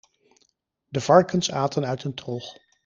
De varkens aten uit een trog.